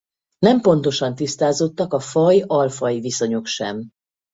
Nem pontosan tisztázottak a faj-alfaj viszonyok sem.